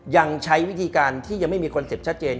ยังใช้วิธีการที่ยังไม่มีคอนเซ็ปต์ชัดเจน